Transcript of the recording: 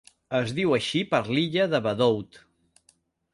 Es diu així per l'illa de Bedout.